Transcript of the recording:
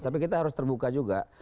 tapi kita harus terbuka juga